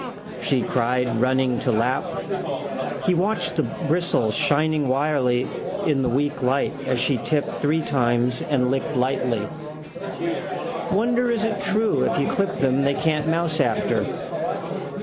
she cried, running to lap. He watched the bristles shining wirily in the weak light as she tipped three times and licked lightly. Wonder is it true if you clip them they can't mouse after.